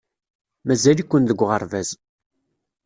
Mazal-iken deg uɣerbaz.